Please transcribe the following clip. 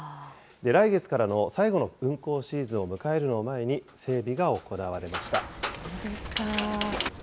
来月からの最後の運行シーズンを迎えるのを前に、整備が行われまそうですか。